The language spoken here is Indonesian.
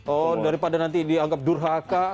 oh daripada nanti dianggap durhaka